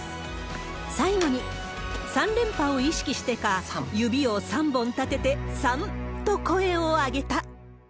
最後に、３連覇を意識してか、指を３本立てて、３と声を上げた。